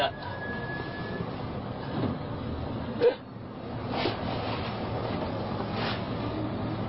อื้อ